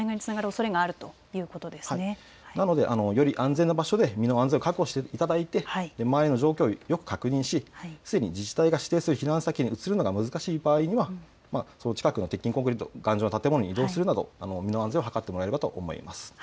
より安全な場所で身の安全を確保していただいて周りの状況をよく確認し、自治体が指定する避難先に移動するのが難しい場合は頑丈な建物に移動するなど身の安全を図ってもらえればと思います。